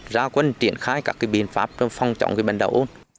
ra quân triển khai các biện pháp phòng trọng bệnh đậu ôn